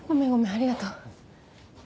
ありがとう。